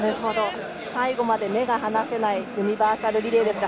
最後まで目が離せないユニバーサルリレーですが。